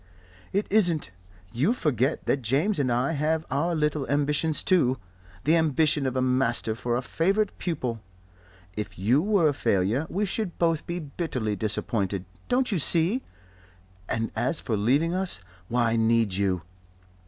"It isn't. You forget that James and I have our little ambitions too the ambition of a master for a favourite pupil. If you were a failure we should both be bitterly disappointed. Don't you see? And as for leaving us why need you?